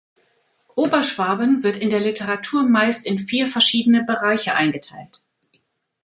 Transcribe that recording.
Oberschwaben wird in der Literatur meist in vier verschiedene Bereiche eingeteilt.